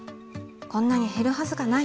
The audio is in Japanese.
こんなに減るはずがない！』。